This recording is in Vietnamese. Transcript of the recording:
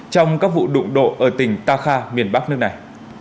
trong các vụ đụng độ ở tỉnh takha miền bắc nước này